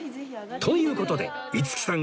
という事で五木さん